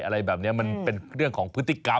อะไรแบบนี้มันเป็นเรื่องของพฤติกรรม